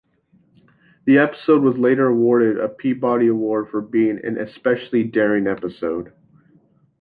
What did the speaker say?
The episode was later awarded a Peabody Award for being "an especially daring episode".